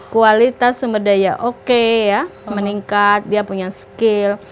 kualitas sumber daya oke meningkat dia punya skill